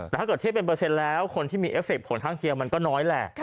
แต่ถ้าเกิดเทียบเป็นเปอร์เซ็นต์แล้วคนที่มีเอฟเคผลข้างเคียงมันก็น้อยแหละ